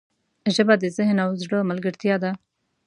ژبه د ذهن او زړه ملګرتیا ده